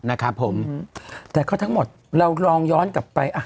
นะครับผมแต่ก็ทั้งหมดเราลองย้อนกลับไปอ่ะ